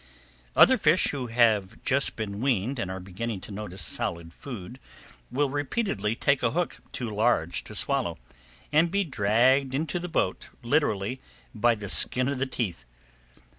Other fish who have just been weaned and are beginning to notice solid food will repeatedly take a hook too large to swallow, and be dragged into the boat, literally, by the skin of the teeth.